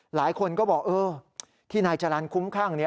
หลายคนก็บอกเออที่นายจรรย์คุ้มข้าง